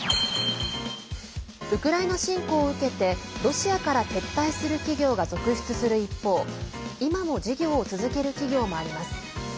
ウクライナ侵攻を受けてロシアから撤退する企業が続出する一方今も事業を続ける企業もあります。